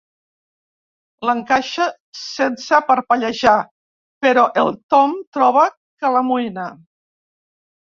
L'encaixa sense parpellejar, però el Tom troba que l'amoïna.